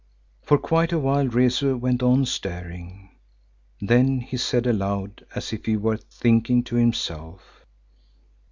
For quite a while Rezu went on staring. Then he said aloud as if he were thinking to himself.